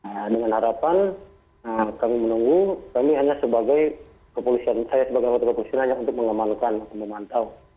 nah dengan harapan kami menunggu kami hanya sebagai ketutupan polisi hanya untuk mengamalkan atau memantau